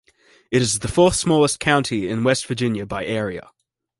It is the fourth-smallest county in West Virginia by area.